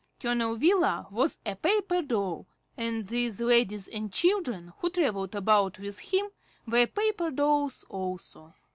Colonel Wheeler was a paper doll, and these ladies and children who travelled about with him were paper dolls also.